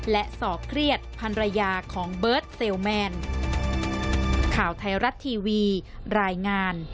และสอบเครียดพันรยาของเบิร์ตเซลแมน